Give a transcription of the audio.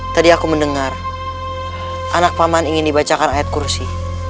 tadi aku mendengar anak paman ingin dibacakan ayat kursi